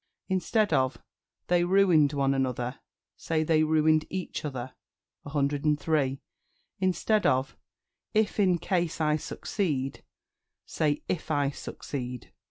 Instead of "They ruined one another," say "They ruined each other." 103. Instead of "If in case I succeed," say "If I succeed."